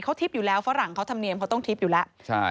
เขาทิบอยู่แล้วฝรั่งเขาทำเนียมเขาต้องทิบอยู่แล้ว